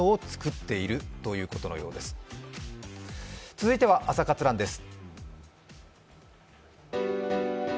続いては「朝活ＲＵＮ」です。